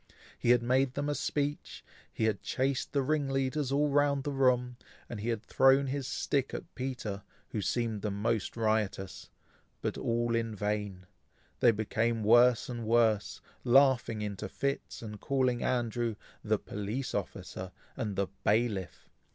He had made them a speech, he had chased the ring leaders all round the room, and he had thrown his stick at Peter, who seemed the most riotous, but all in vain; they became worse and worse, laughing into fits, and calling Andrew "the police officer," and "the bailiff."